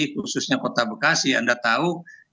khususnya kota bekasi anda tahu